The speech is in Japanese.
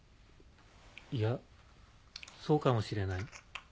いやそうかもしれない。